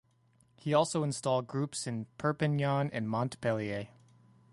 He also installed groups in Perpignan and Montpellier.